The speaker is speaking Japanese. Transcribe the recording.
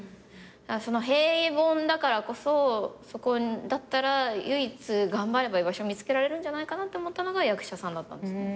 平凡だからこそそこだったら唯一頑張れば居場所見つけられるんじゃないかなと思ったのが役者さんだったんですね。